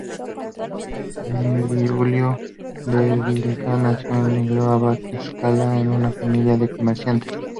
Giulio Bevilacqua nació en Isola della Scala, en una familia de comerciantes.